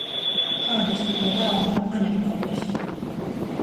Kādas, pie velna, anekdotes?